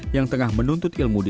yang tengah menuntut ilmu di